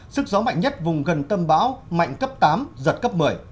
sức gió mạnh nhất vùng gần tâm bão mạnh cấp tám giật cấp một mươi